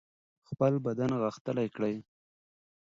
خپل بدن غښتلی کړئ.